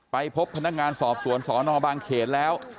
ไปพบพนักงานสอบสวนสนบางเขตแล้ว